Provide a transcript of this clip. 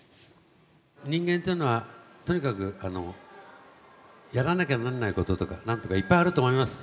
人間というのは、とにかくやらなきゃならないこととか、何とかいっぱいあると思います。